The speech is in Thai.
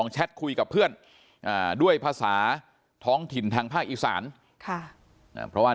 แชทคุยกับเพื่อนด้วยภาษาท้องถิ่นทางภาคอีสานเพราะว่า